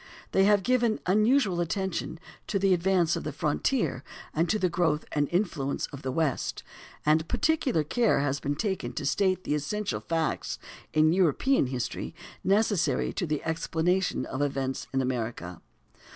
They have given unusual attention to "the advance of the frontier" and to "the growth and influence of the West"; and "particular care has been taken to state the essential facts in European history necessary to the explanation of events in America."